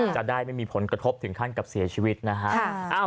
จะได้ไม่มีผลกระทบถึงขั้นกับเสียชีวิตนะฮะ